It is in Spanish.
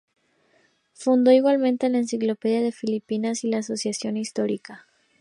Fundó igualmente la "Enciclopedia de Filipinas" y la "Asociación Histórica".